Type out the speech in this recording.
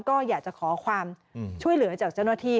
ก็อยากจะขอความช่วยเหลือจากเจ้าหน้าที่